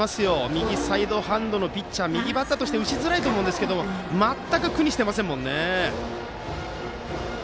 右サイドハンドのピッチャーは右バッターとして打ちづらいと思いますが全く苦にしてませんよね。